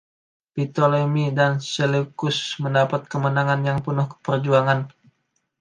Ptolemy dan Seleucus mendapat kemenangan yang penuh perjuangan.